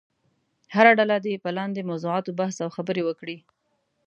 هره ډله دې په لاندې موضوعاتو بحث او خبرې وکړي.